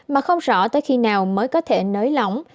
mà không rõ tới khi nào mới có thể nới lỏng